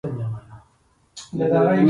نظارت د ادارې د فعالیت له جریانه دی.